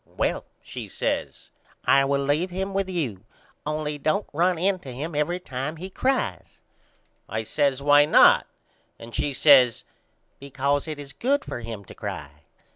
Well, she says, I will leave him with you only don't run in to him every time he cries. I says Why not? And she says Because it is good for him to cry.